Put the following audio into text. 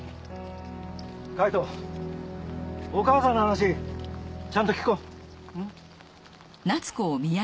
海人お母さんの話ちゃんと聞こう。